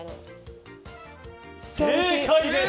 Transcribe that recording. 正解です！